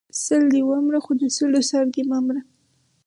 ـ سل دی ونره خو د سلو سر دی مه مره.